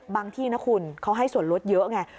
ที่นะคุณเขาให้ส่วนลดเยอะไง